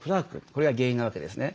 これが原因なわけですね。